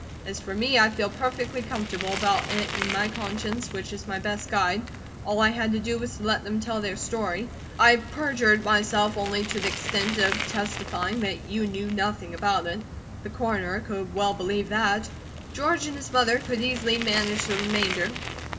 As for me, I feel perfectly comfortable about it in my conscience, which is my best guide. All I had to do was to let them tell their story. I perjured myself only to the extent of testifying that you knew nothing about it. The Coroner could well believe that. George and his mother could easily manage the remainder."